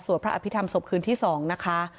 พระอภิษฐรรศพคืนที่๒นะคะ